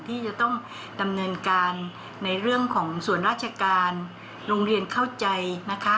ที่จะต้องดำเนินการในเรื่องของส่วนราชการโรงเรียนเข้าใจนะคะ